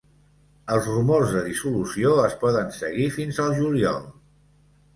Els rumors de dissolució es poden seguir fins al juliol.